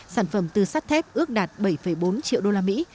sản phẩm từ sắt thép ước đạt bảy bốn triệu đô la mỹ